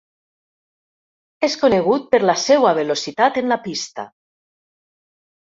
És conegut per la seua velocitat en la pista.